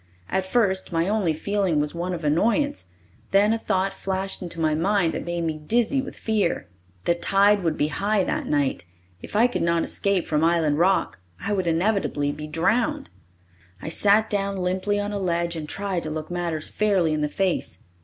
At first my only feeling was one of annoyance. Then a thought flashed into my mind that made me dizzy with fear. The tide would be high that night. If I could not escape from Island Rock I would inevitably be drowned. I sat down limply on a ledge and tried to look matters fairly in the face.